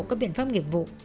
các biện pháp nghiệp vụ